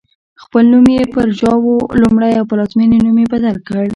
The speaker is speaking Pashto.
خپل نوم یې پر ژواو لومړی او پلازمېنې نوم یې بدل کړ.